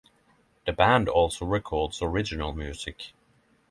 The band also records original music.